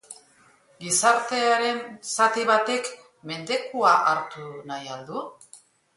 Gizartearen zati batek mendekua hartu nahi al du?